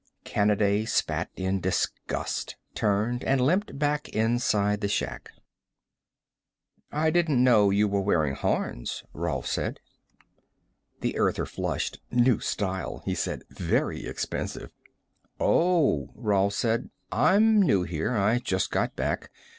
Kanaday spat in disgust, turned, and limped back inside the shack. "I didn't know you were wearing horns," Rolf said. The Earther flushed. "New style," he said. "Very expensive." "Oh," Rolf said. "I'm new here; I just got back.